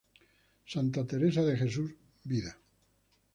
Santa Teresa de Jesús: "Vida".